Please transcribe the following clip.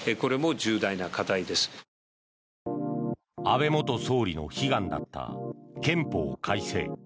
安倍元総理の悲願だった憲法改正。